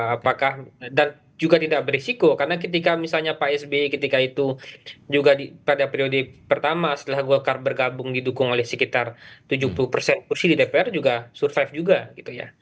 apakah dan juga tidak berisiko karena ketika misalnya pak sby ketika itu juga pada periode pertama setelah golkar bergabung didukung oleh sekitar tujuh puluh persen kursi di dpr juga survive juga gitu ya